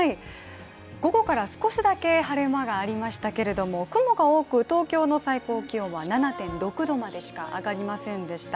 午後から少しだけ晴れ間がありましたけれども雲が多く東京の最高気温は７．６度までしか上がりませんでした。